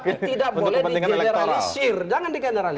tapi tidak boleh di generalisir